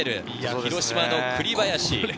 広島の栗林。